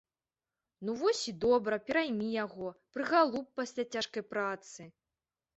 Ну, вось і добра, пераймі яго, прыгалуб пасля цяжкай працы.